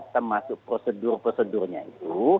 termasuk prosedur prosedurnya itu